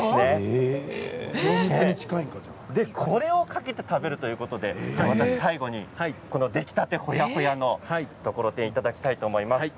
これをかけて食べるということで私は最後に出来たてほやほやのところてんをいただきたいと思います。